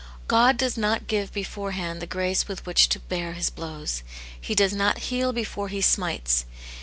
God does not give beforehand the grace with which to bear His blows; He does not heal before he smites.